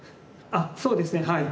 そうですねはい。